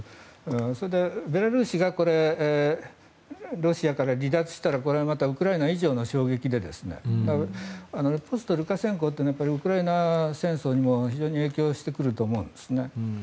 それでベラルーシがロシアから離脱したらこれはまたウクライナ以上の衝撃でポスト・ルカシェンコというのはウクライナ戦争にも非常に影響してくると思うんです。